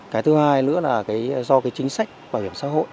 cái thứ hai nữa là do cái chính sách bảo hiểm xã hội